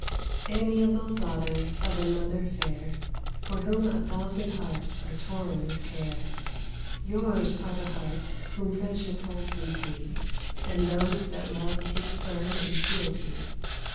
Amiable daughter of a mother fair, For whom a thousand hearts are torn with care; Yours are the hearts whom friendship holds in fee, And those that Love keeps firm in fealty.